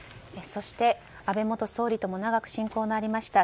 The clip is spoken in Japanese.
そして安倍元総理とも長く親交がありました